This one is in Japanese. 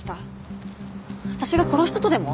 私が殺したとでも？